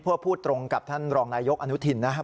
เพื่อพูดตรงกับท่านรองนายกอนุทินนะครับ